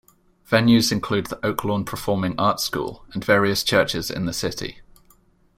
Venues include the Oaklawn Performing Arts School and various churches in the city.